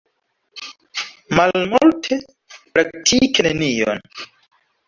Malmulte, praktike nenion.